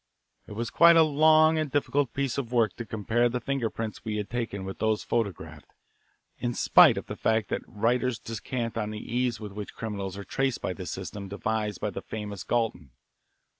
It was quite a long and difficult piece of work to compare the finger prints we had taken with those photographed, in spite of the fact that writers descant on the ease with which criminals are traced by this system devised by the famous Galton.